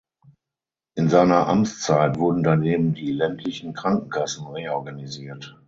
In seiner Amtszeit wurden daneben die ländlichen Krankenkassen reorganisiert.